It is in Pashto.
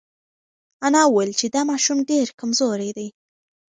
انا وویل چې دا ماشوم ډېر کمزوری دی.